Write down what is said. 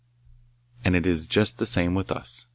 And it is just the same with us.